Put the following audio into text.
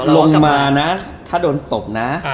ลงมานะถ้าโดนตบนะ